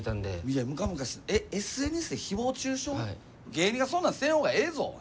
芸人がそんなんせん方がええぞおい。